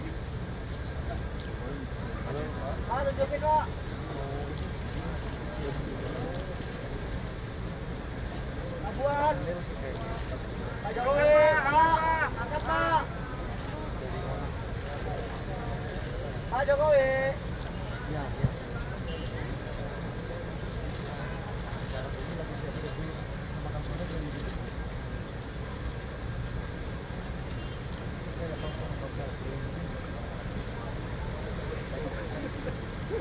untuk melakukan prosesi